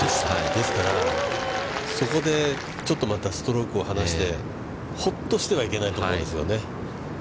そこでちょっとまたストロークを離して、ほっとしてはいけないと思うんですよね。